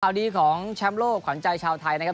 ข้าวดีของชามโลกขวัญชายชาวไทยนะครับ